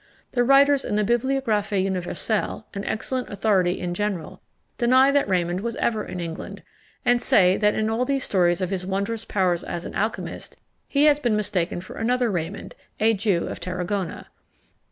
The writers in the Biographie Universelle, an excellent authority in general, deny that Raymond was ever in England, and say, that in all these stories of his wondrous powers as an alchymist, he has been mistaken for another Raymond, a Jew of Tarragona.